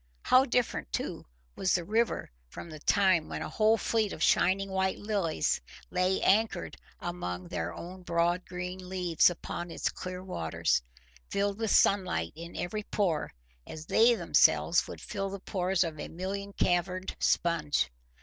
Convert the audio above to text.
How different, too, was the river from the time when a whole fleet of shining white lilies lay anchored among their own broad green leaves upon its clear waters, filled with sunlight in every pore, as they themselves would fill the pores of a million caverned sponge!